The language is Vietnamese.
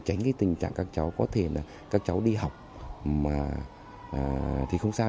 tránh cái tình trạng các cháu có thể là các cháu đi học thì không sao